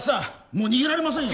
もう逃げられませんよ